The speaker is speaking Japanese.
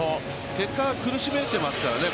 結果、苦しめていますからね